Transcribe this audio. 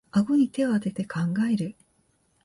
あごに手をあてて考える